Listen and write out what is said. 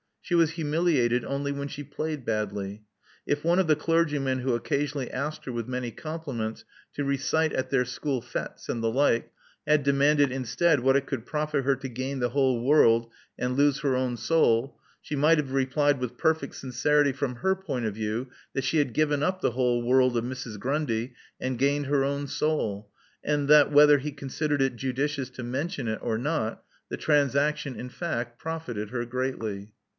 She was humiliated only when she played badly. If one of the clergymen who occasionally asked her, with many compliments, to recite at their school fetes and the like, had demanded instead what it could profit her to gain the whole world and lose her own 1 62 Love Among the Artists soul, she might have replied with perfect sincerity from her point of view that she had given np the whole world of Mrs. Grundy and gained her own soul, and that, whether he considered it judicious to mention it or not, the transaction in fact profited her greatly.